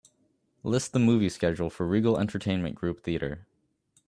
List the movie schedule for Regal Entertainment Group theater.